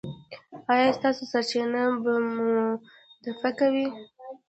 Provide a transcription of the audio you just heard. ایا ستاسو سرچینه به موثقه وي؟